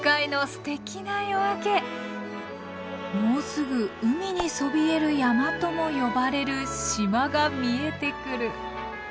もうすぐ「海にそびえる山」とも呼ばれる島が見えてくる。